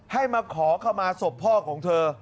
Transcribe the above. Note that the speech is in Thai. ให้มาขอขมาศพพ่อของเธอ